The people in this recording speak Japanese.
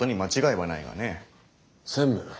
専務。